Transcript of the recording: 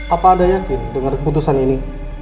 apa ada yakin dengan keputusan ini